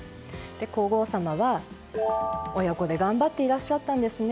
皇后さまは親子で頑張っていらっしゃったんですね